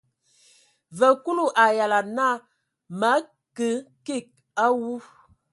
Vǝ Kulu a yalan naa: Mǝ akə kig a awu.